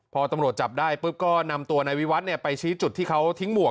พอตำรวจจับได้ปุ๊บก็นำตัวนายวิวัตรไปชี้จุดที่เขาทิ้งหมวก